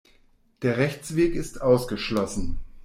Der Rechtsweg ist ausgeschlossen.